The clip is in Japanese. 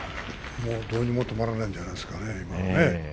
もうどうにも止まらないんじゃないですかね？